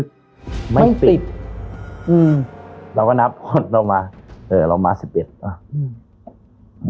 ไม่ติดอืมเราก็นับฮอตเรามาเออเรามาสิบเอ็ดอ่ะอืม